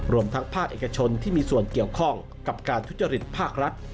รวมทั้งภาคเอกชนที่มีส่วนเกี่ยวข้องกับการทุจริตภาครัฐ